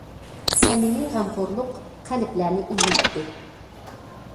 سەمىمىي غەمخورلۇق قەلبلەرنى ئىللىتتى.